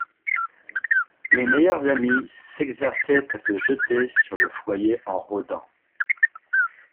Mes meilleurs amis s'exerçaient à se jeter sur le foyer en rôdant.